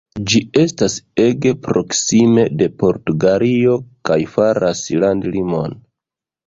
Ĝi estas ege proksime de Portugalio kaj faras landlimon.